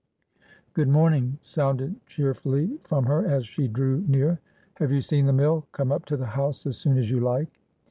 "Good morning!" sounded cheerfully from her, as she drew near. "Have you seen the mill? Come up to the house as soon as you like."